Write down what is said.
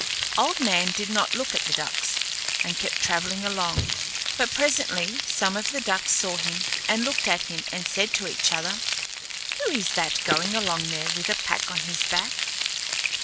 Old Man did not look at the ducks, and kept travelling along; but presently some of the ducks saw him and looked at him and said to each other, "Who is that going along there with a pack on his back?"